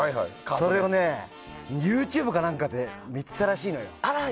それをＹｏｕＴｕｂｅかなんかで見てたらしいのよ。